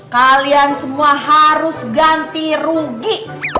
kalian semua harus ganti rugi